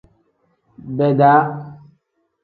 Beeda.